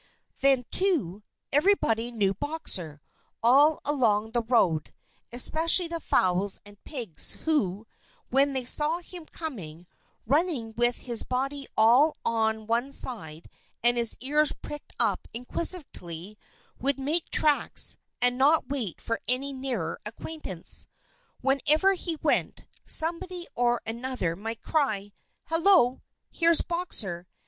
Then, too, everybody knew Boxer, all along the road especially the fowls and pigs, who, when they saw him coming, running with his body all on one side and his ears pricked up inquisitively, would make tracks and not wait for any nearer acquaintance. Wherever he went, somebody or other might cry, "Hello! Here's Boxer!"